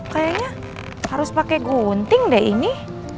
kayaknya harus pakai gunting deh ini